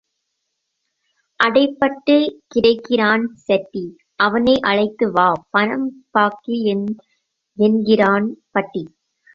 அடைபட்டுக் கிடக்கிறான் செட்டி அவனை அழைத்து வா, பணம் பாக்கி என்கிறான் பட்டி.